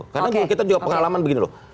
karena kita juga pengalaman begini loh